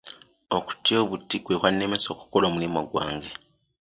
Okutya obuti kwe kwannemesa okukola omulimu ogwo.